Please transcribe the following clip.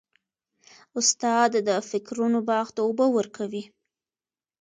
استاد د فکرونو باغ ته اوبه ورکوي.